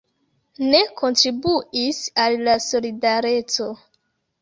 Ne kontribuis al Solidareco.